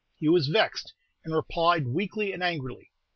He was vexed, and replied weakly and angrily.